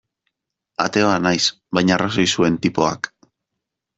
Ateoa naiz, baina arrazoi zuen tipoak.